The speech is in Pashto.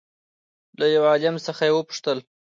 له له يوه عالم څخه يې وپوښتل